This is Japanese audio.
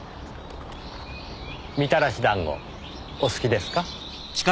みたらし団子お好きですか？